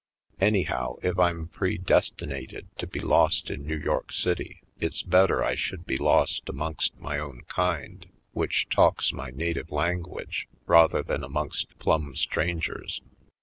Anyhow, if I'm predestinated to be lost in New York City it's better I should be lost amongst my own kind, which talks my na tive language, rather than amongst plumb strangers.